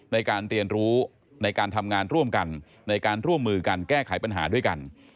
ในการเรียนรู้ในการทำงานร่วมกันในการร่วมมือกันแก้ไขปัญหาด้วยกัน